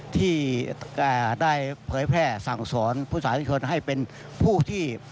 ที่ได้เผยแพร่สั่งสอนพุทธศาสนิชนให้เป็นผู้ที่